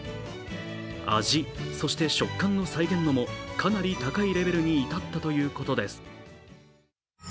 味、そして食感の再現度もかなり高いレベルに至ったということです。